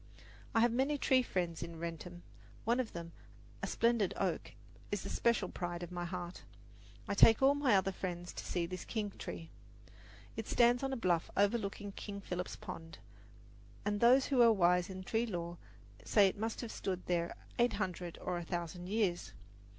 I have many tree friends in Wrentham. One of them, a splendid oak, is the special pride of my heart. I take all my other friends to see this king tree. It stands on a bluff overlooking King Philip's Pond, and those who are wise in tree lore say it must have stood there eight hundred or a thousand years.